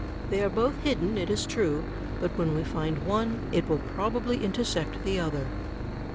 They are both hidden, it is true, but when we find one, it will probably intersect the other.